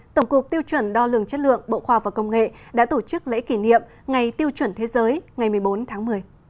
tổng cục tiêu chuẩn đo lường chất lượng bộ khoa và công nghệ đã tổ chức lễ kỷ niệm ngày tiêu chuẩn thế giới ngày một mươi bốn tháng một mươi